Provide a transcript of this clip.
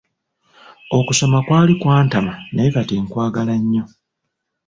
Okusoma kwali kwantama naye kati nkwagala nnyo.